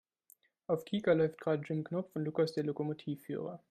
Auf Kika läuft gerade Jim Knopf und Lukas der Lokomotivführer.